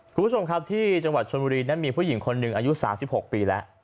คุณผู้ชมครับที่จังหวัดชนบุรีนั้นมีผู้หญิงคนหนึ่งอายุ๓๖ปีแล้ว